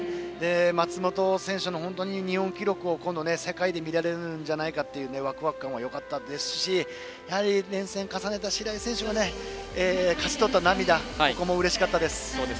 松元選手の日本記録を、世界で見られるんじゃないかというワクワク感はよかったですし連戦重ねた白井選手が勝ち取った涙もここもうれしかったです。